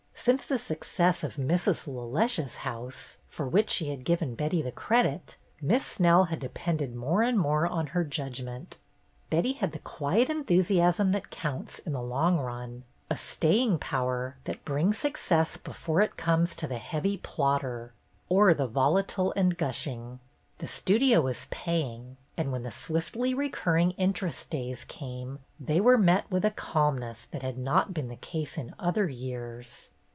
Since the success of Mrs. LeLeche's house, for which she had given Betty the credit. Miss Snell had depended more and more on her judgment. Betty had 268 BETTY BAIRD'S GOLDEN YEAR the quiet enthusiasm that counts in the long run, a staying power that brings success before it comes to the heavy plodder or the volatile and gushing. The Studio was paying, and when the swiftly recurring interest days came, they were met with a calmness that had not been the case in other years.